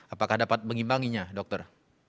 apakah dapat mengimbanginya dokter